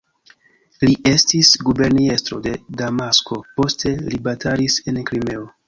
Li estis guberniestro de Damasko, poste li batalis en Krimeo.